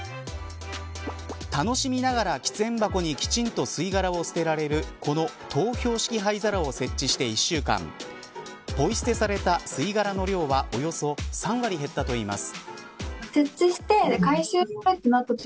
楽しみながら喫煙箱にきちんと吸い殻を捨てられるこの投票式灰皿を設置して１週間ポイ捨てされた吸い殻の量はおよそ３割減ったといいます。